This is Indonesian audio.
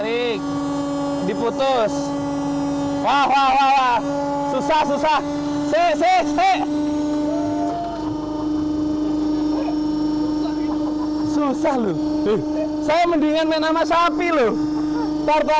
ini berantakan saya rapiin dulu